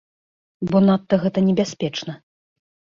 Бо надта гэта небяспечна.